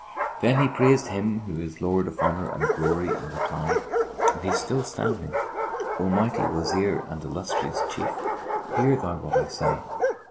Then he praised Him who is the Lord of Honour and Glory and replied (and he still standing), "O mighty Wazir and illustrious Chief; hear thou what I say!